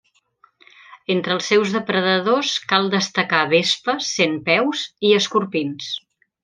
Entre els seus depredadors cal destacar vespes, centpeus, i escorpins.